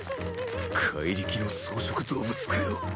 怪力の草食動物かよ